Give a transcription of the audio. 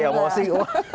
ya mau sih